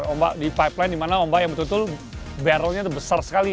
ombak di pipeline di mana ombak yang betul betul barrel nya besar sekali